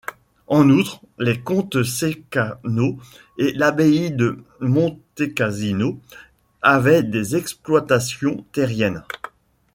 En outre, les comtes Ceccano et l'abbaye de Montecassino avaient des exploitations terriennes.